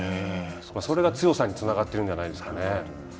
それが強さに、つながっているんじゃないですかね。